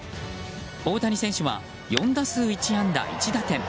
大谷選手は４打数１安打１打点。